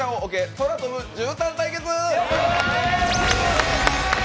「空飛ぶじゅうたん」対決。